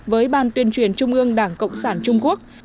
với ban tuyên truyền trung ương đảng cộng sản trung quốc